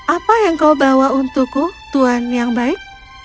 apa yang kau bawa untukku tuhan yang baik